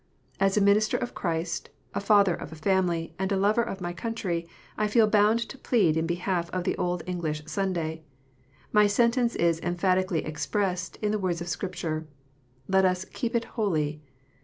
As a minister of Christ, a father of a family, and a lover of my country, I feel bound to plead in behalf of the old English Sunday. My sentence is emphatically expressed in the words of Scripture, let us "keep it holy."